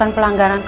anak yang baik